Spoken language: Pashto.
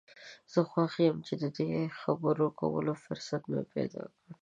زه خوښ یم چې د دې خبرو کولو فرصت مې پیدا کړ.